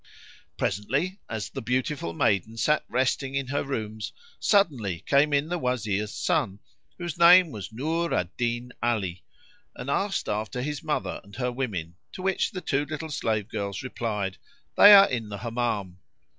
Presently, as the beautiful maiden sat resting in her rooms, suddenly came in the Wazir's son whose name was Nur al Din Ali,[FN#17] and asked after his mother and her women, to which the two little slave girls replied, "They are in the Hammam."